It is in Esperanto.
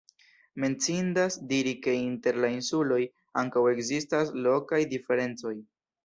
Menciindas diri ke inter la insuloj ankaŭ ekzistas lokaj diferencoj.